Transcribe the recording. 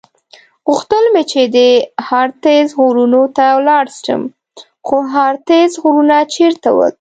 غوښتل مې چې د هارتز غرونو ته ولاړ شم، خو هارتز غرونه چېرته ول؟